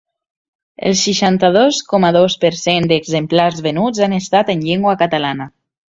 El seixanta-dos coma dos per cent d'exemplars venuts han estat en llengua catalana.